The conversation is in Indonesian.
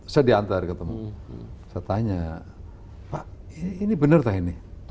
saya diantar ketemu saya tanya pak ini benar pak ini